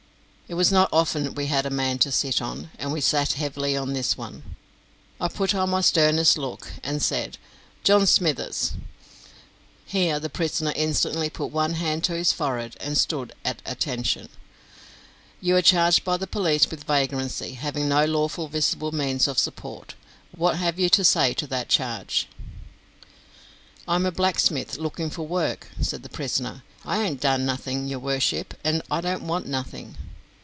It was not often we had a man to sit on, and we sat heavily on this one. I put on my sternest look, and said "John Smithers" here the prisoner instantly put one hand to his forehead and stood at "attention" "you are charged by the police with vagrancy, having no lawful visible means of support. What have you to say to that charge?" "I am a blacksmith looking for work," said the prisoner; "I ain't done nothing, your worship, and I don't want nothing."